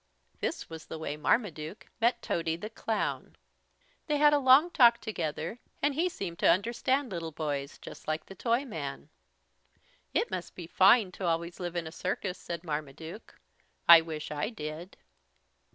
This was the way Marmaduke met Tody the Clown. They had a long talk together and he seemed to understand little boys, just like the Toyman. "It must be fine to always live in a circus," said Marmaduke. "Wish I did."